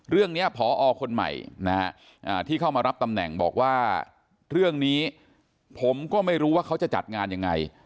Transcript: เรื่องนี้พอคนใหม่นะฮะที่เข้ามารับตำแหน่งบอกว่าเรื่องนี้ผมก็ไม่รู้ว่าเขาจะจัดงานยังไง